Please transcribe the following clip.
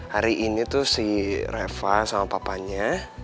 hari ini tuh si reva sama papanya